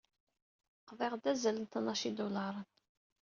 Qḍiɣ-d azal n tnac idularen.